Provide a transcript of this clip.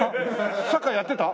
サッカーやってた？